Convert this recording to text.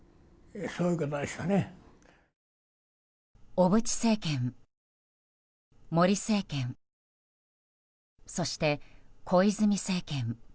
小渕政権、森政権そして小泉政権。